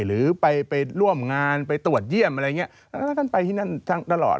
หรือไปร่วมงานไปตรวจเยี่ยมอะไรอย่างนี้แล้วท่านไปที่นั่นตลอด